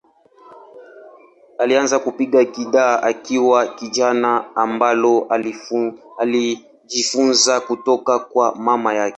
Alianza kupiga gitaa akiwa kijana, ambalo alijifunza kutoka kwa mama yake.